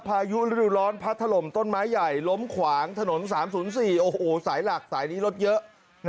พายุฤดูร้อนพัดถล่มต้นไม้ใหญ่ล้มขวางถนน๓๐๔โอ้โหสายหลักสายนี้รถเยอะ